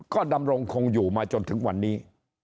ก็ดำรงคงอยู่มาจนถึงวันนี้